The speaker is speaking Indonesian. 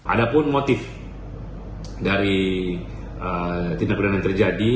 ada pun motif dari tindak pidana yang terjadi